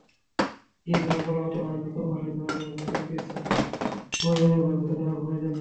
গিয়েছিলাম কলকাতায়, আমাদের নতুন ভাষা বিভাগের জন্য কিছু প্রয়োজনীয় বইপত্র কেনার প্রয়োজনে।